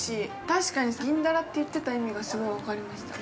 確かに銀だらって言ってた意味がすごい分かりました。